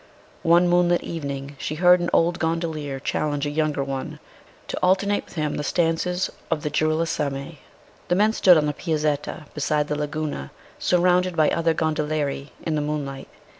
One moonlit evening she heard an old gondoliere challenge a younger one to alternate with him the stanzas of the Ger, usalemme. The men stood on the Piazzetta beside the Laguna, surrounded by other gondolieri in the moonlight.